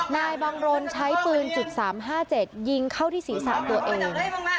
นายบังรนใช้ปืน๓๕๗ยิงเข้าที่ศีรษะตัวเอง